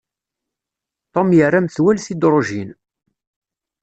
Tom yerra metwal tidrujin.